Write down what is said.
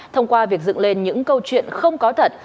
thông qua việc dựng lên những câu chuyện không có thật